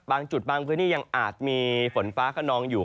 บางจุดบางพื้นที่ยังอาจมีฝนฟ้าขนองอยู่